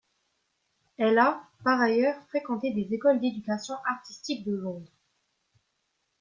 Elle a, par ailleurs, fréquenté des écoles d'éducation artistique de Londres.